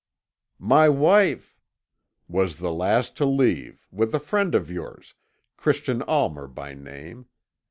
"My wife " "Was the last to leave, with a friend of yours, Christian Almer by name.